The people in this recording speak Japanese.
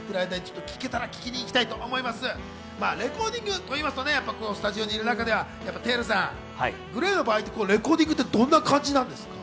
レコーディングといいますと、スタジオにいる中ではＴＥＲＵさん、ＧＬＡＹの場合って、どんな感じなんですか？